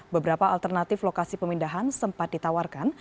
beberapa alternatif lokasi pemindahan sempat ditawarkan